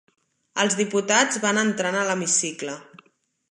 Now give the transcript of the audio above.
Els diputats van entrant a l’hemicicle.